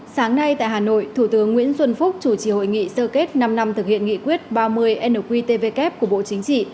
sáng nay tại hà nội thủ tướng nguyễn xuân phúc chủ trì hội nghị sơ kết năm năm thực hiện nghị quyết ba mươi nqtvk của bộ chính trị